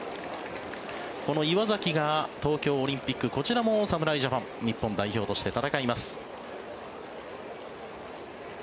この岩崎が東京オリンピックこちらも侍ジャパン日本代表として戦います。